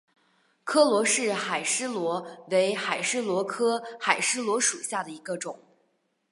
柯罗氏海蛳螺为海蛳螺科海蛳螺属下的一个种。